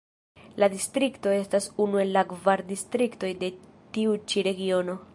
La distrikto estas unu el kvar distriktoj de tiu ĉi regiono.